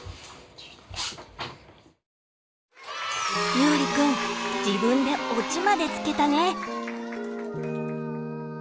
ゆうりくん自分でオチまでつけたね。